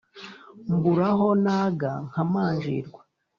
mbura aho nâga nkamanjirwa